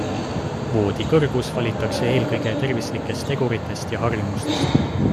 Voodi kõrgus valitakse eelkõige tervislikest teguritest ja harjumustest.